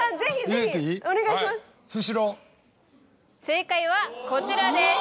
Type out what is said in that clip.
正解はこちらです。